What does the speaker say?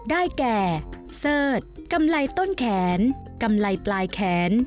ได้แก่เสิร์ธกำไรต้นแขนกำไรปลายแขน